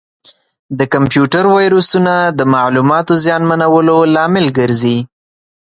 د کمپیوټر ویروسونه د معلوماتو زیانمنولو لامل ګرځي.